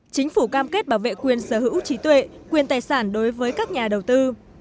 chính phủ cam kết bảo vệ quyền sở hữu trí tuệ quyền tài sản đối với các nhà đầu tư